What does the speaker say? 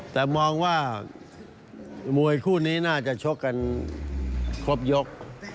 แต่มองว่ามวยคู่นี้น่าจะชกกันครบยก